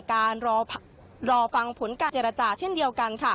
การรอฟังผลการเจรจาเช่นเดียวกันค่ะ